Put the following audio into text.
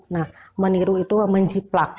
nah meniru itu menjiplak